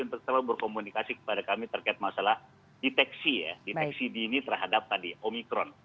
untuk selalu berkomunikasi kepada kami terkait masalah deteksi ya deteksi dini terhadap tadi omikron